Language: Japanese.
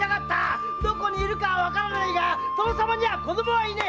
どこにいるかはわからないが殿様には子供がいない。